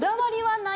ない。